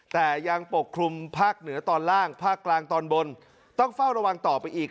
แต่ยังปกคลุมภาคเหนือตอนล่างภาคกลางตอนบนต้องเฝ้าระวังต่อไปอีก